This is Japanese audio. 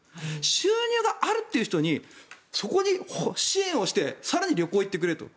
収入があるという人にそこに支援をして更に旅行に行ってくれと。